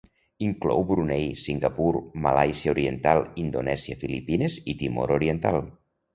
Inclou Brunei, Singapur, Malàisia Oriental, Indonèsia, Filipines i Timor Oriental.